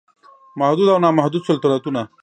محدود او نا محدود سلطنتونه